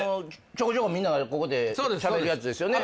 ちょこちょこみんながここで喋るやつですよね？